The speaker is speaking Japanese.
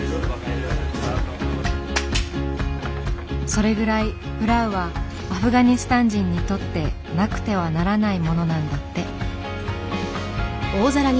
それぐらいプラウはアフガニスタン人にとってなくてはならないものなんだって。